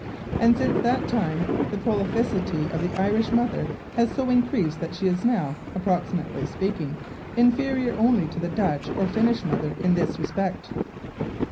And since that time the prolificity of the Irish mother has so increased that she is now, approximately speaking, inferior only to the Dutch or Finnish mother in this respect.